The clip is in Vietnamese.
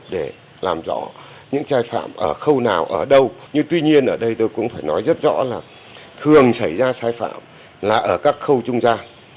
để làm rõ những sai phạm ở khâu nào ở đâu nhưng tuy nhiên ở đây tôi cũng phải nói rất rõ là thường xảy ra sai phạm là ở các khâu trung gian